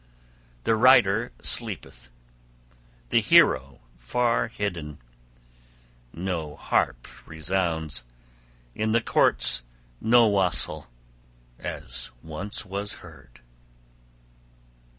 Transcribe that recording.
The rider sleepeth, the hero, far hidden; {32d} no harp resounds, in the courts no wassail, as once was heard.